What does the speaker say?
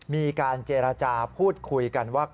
มีการเจรจาพูดคุยกันว่า